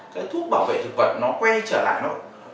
cái thuốc bảo vệ thực vật nó quay trở lại thôi